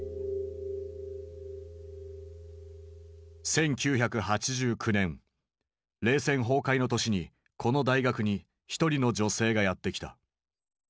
１９８９年冷戦崩壊の年にこの大学に一人の女性がやって来た。